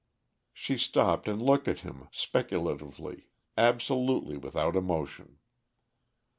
She stopped and looked at him speculatively, absolutely without emotion.